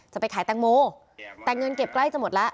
จะไปขายแตงโมแต่เงินเก็บใกล้จะหมดแล้ว